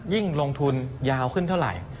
ยิ่งลงทุนยาวขึ้นเท่าไหร่